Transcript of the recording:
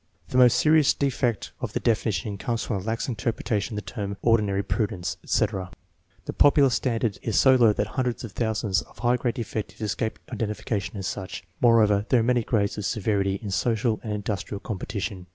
The most serious defect of the definition comes from the lax interpretation of the term " ordinary prudence," etc. The popular standard is so low that hundreds of thou sands of high grade defectives escape identification as such. Moreover, there are many grades of severity in social and industrial competition.